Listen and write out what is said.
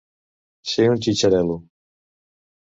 Ser un xitxarel·lo.